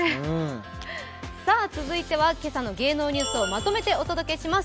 続いては今朝の芸能ニュースをまとめてお届けします。